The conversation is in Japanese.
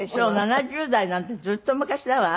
７０代なんてずっと昔だわ。